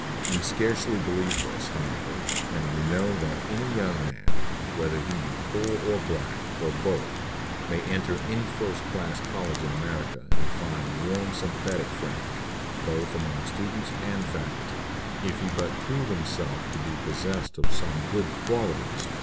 We scarcely believe this, however, and we know that any young man, whether he be poor or black, or both, may enter any first class college in America and find warm sympathetic friends, both among students and faculty, if he but prove himself to be possessed of some good qualities